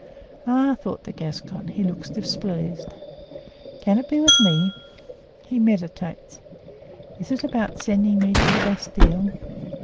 "Ah!" thought the Gascon; "he looks displeased. Can it be with me? He meditates. Is it about sending me to the Bastile?